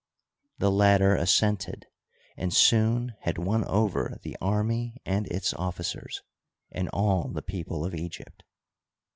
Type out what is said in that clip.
The latter assented, and soon had won over the army and its officers and all the people of Egypt.